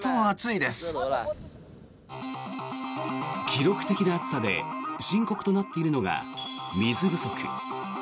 記録的な暑さで深刻となっているのが水不足。